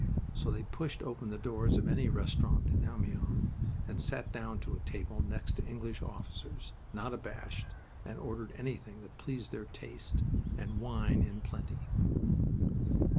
So they pushed open the doors of any restaurant in Amiens and sat down to table next to English officers, not abashed, and ordered anything that pleased their taste, and wine in plenty.